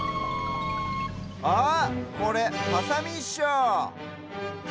あっこれハサミっしょ！